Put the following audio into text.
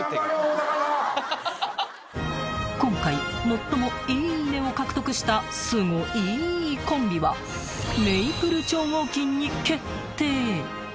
［今回最も「いいね！」を獲得したスゴいいコンビはメイプル超合金に決定］